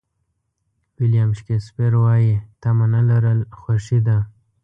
ویلیام شکسپیر وایي تمه نه لرل خوښي ده.